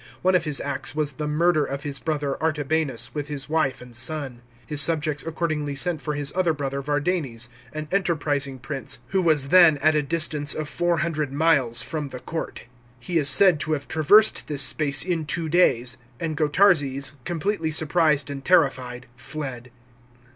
One of his acts was the murder of his brother Artabanus, with his wife and son. His subjects accordingly sent for his other brother Vardanes, an enterprising prince, who was then at a distance of 400 miles from the court. He is said to have traversed this space in two days ; and Gotarzes, completely surprised and terrified, fled.